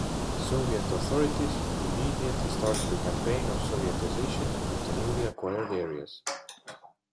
Soviet authorities immediately started a campaign of sovietization of the newly acquired areas.